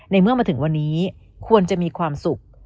เมื่อมาถึงวันนี้ควรจะมีความสุข